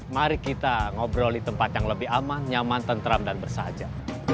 mari kita ngobrol di tempat yang lebih aman nyaman tentram dan bersahaja